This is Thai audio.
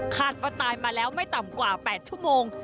คาดว่าตายมาแล้วไม่ต่ำกว่า๘ชั่วโมง